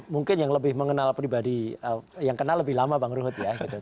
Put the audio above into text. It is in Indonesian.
mungkin yang lebih mengenal pribadi yang kenal lebih lama bang ruhut ya